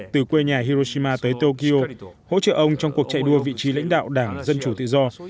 từ quê nhà hiroshima tới tokyo hỗ trợ ông trong cuộc chạy đua vị trí lãnh đạo đảng dân chủ tự do